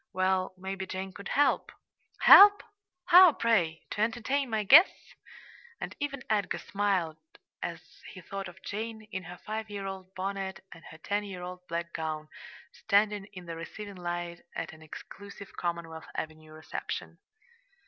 "Well, maybe Jane could help." "Help! How, pray? to entertain my guests?" And even Edgar smiled as he thought of Jane, in her five year old bonnet and her ten year old black gown, standing in the receiving line at an exclusive Commonwealth Avenue reception.